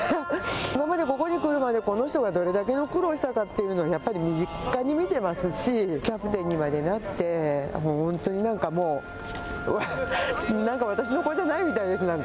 今までここに来るまで、この人がどれだけの苦労したかっていうの、やっぱり身近に見てますし、キャプテンにまでなって、本当になんかもう、なんか私の子じゃないみたいです、なんか、